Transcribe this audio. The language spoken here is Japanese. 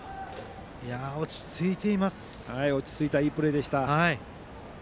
落ち着いたいいプレーでした。